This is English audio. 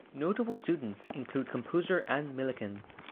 Notable students include composer Ann Millikan.